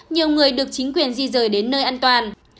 nhiều người được chính quyền di rời đến nơi an toàn